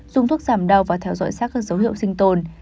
dùng thuốc giảm đau và theo dõi sát các dấu hiệu sinh tồn